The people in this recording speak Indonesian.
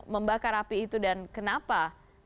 membakar api itu dan kenapa